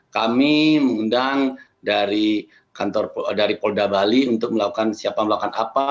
kami mengundang dari polda bali untuk melakukan siapa melakukan apa